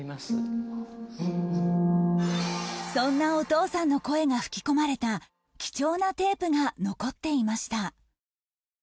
そんなお父さんの声が吹き込まれた貴重なテープが残っていました